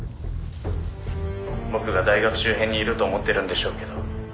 「僕が大学周辺にいると思ってるんでしょうけど」